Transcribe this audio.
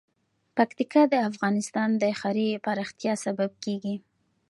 پکتیکا د افغانستان د ښاري پراختیا سبب کېږي.